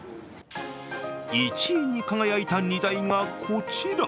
１位に輝いた荷台がこちら。